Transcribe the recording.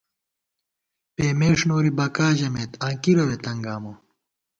پېمېݭ نوری بَکا ژَمېت، آں کِرَوے تنگامہ